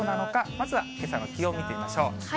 まずはけさの気温、見てみましょう。